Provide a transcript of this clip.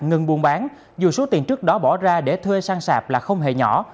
nhiều người đã bỏ sạch ngừng buôn bán dù số tiền trước đó bỏ ra để thuê sang sạp là không hề nhỏ